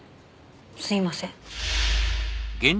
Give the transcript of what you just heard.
すいません。